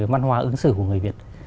văn hóa ứng xử của người việt